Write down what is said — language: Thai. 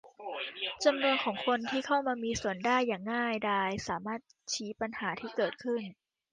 จำนวนของคนที่เข้ามามีส่วนได้อย่างง่ายดายสามารถชี้ปัญหาที่เกิดขึ้น